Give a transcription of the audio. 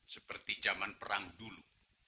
seperti zaman perang dulu